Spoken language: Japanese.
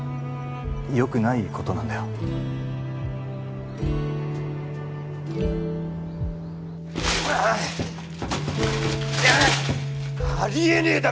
よくないことなんだよあり得ねえだろ